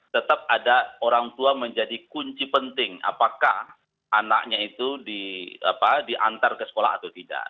tetap ada orang tua menjadi kunci penting apakah anaknya itu diantar ke sekolah atau tidak